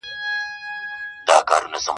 سوال کوم کله دي ژړلي گراني ؟